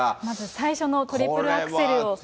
まず最初のトリプルアクセルを。